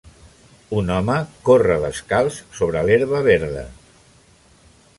Un home corre descalç sobre l'herba verda.